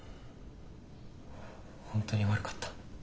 本当に悪かった。